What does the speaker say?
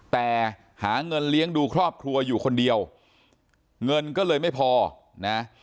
แต่หาเงินเลี้ยงดูครอบครัวอยู่คนเดียวเงินก็เลยไม่พอนะ